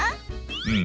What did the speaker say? うん。